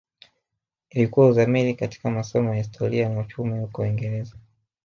Ilikuwa uzamili katika masomo ya Historia na Uchumi huko Uingereza